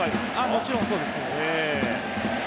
もちろんそうです。